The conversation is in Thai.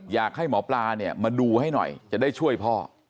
อยากให้หมอปลาเนี่ยมาดูให้หน่อยจะได้ช่วยพ่อ